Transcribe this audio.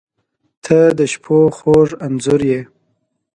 • ته د شپو خوږ انځور یې.